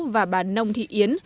và bà nông thị yến